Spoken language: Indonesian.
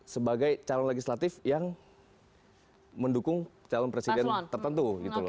sebagai calon legislatif yang mendukung calon presiden tertentu